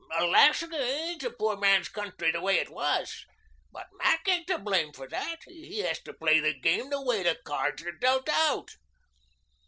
Alaska ain't a poor man's country the way it was. But Mac ain't to blame for that. He has to play the game the way the cards are dealt out."